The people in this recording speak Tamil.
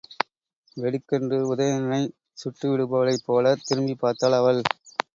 வெடுக்கென்று உதயணனைச் சுட்டுவிடுபவளைப்போலத் திரும்பிப் பார்த்தாள் அவள்.